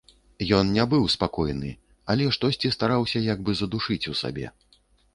Ён не быў спакойны, але штосьці стараўся як бы задушыць у сабе.